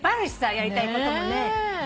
やりたいこともね。